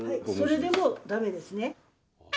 それでもダメですね。